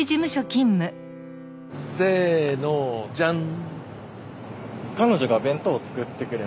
せのじゃん！